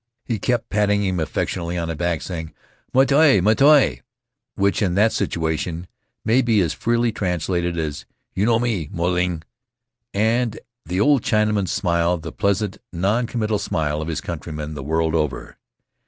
He kept patting him affectionately on the back, saying, "Maitai! maitai!" which in that situation may be freely translated as, "You know me, Moy Ling!" And the old Chinaman smiled the pleasant, noncommittal smile of his countrymen the world over.